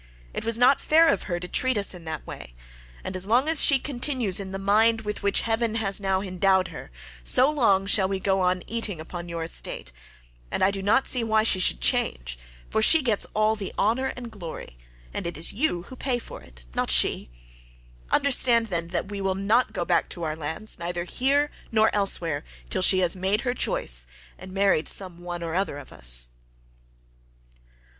It was not fair of her to treat us in that way, and as long as she continues in the mind with which heaven has now endowed her, so long shall we go on eating up your estate; and I do not see why she should change, for she gets all the honour and glory, and it is you who pay for it, not she. Understand, then, that we will not go back to our lands, neither here nor elsewhere, till she has made her choice and married some one or other of us."